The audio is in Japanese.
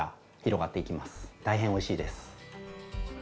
大変おいしいです。